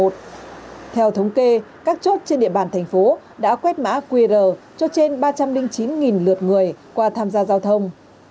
theo thống kê các chốt trên địa bàn thành phố đã quét mã qr cho trên ba trăm linh chín lượt người qua tham gia giao thông